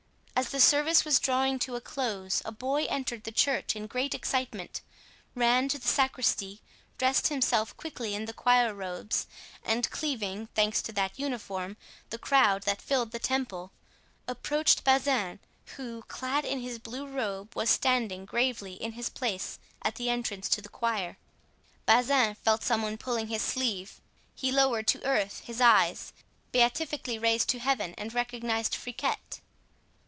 As the service was drawing to a close a boy entered the church in great excitement, ran to the sacristy, dressed himself quickly in the choir robes, and cleaving, thanks to that uniform, the crowd that filled the temple, approached Bazin, who, clad in his blue robe, was standing gravely in his place at the entrance to the choir. Bazin felt some one pulling his sleeve. He lowered to earth his eyes, beatifically raised to Heaven, and recognized Friquet.